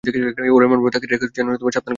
ওরা এমনভাবে তাকে রেখে গেছে যেন সাবধান করতে চাইছে!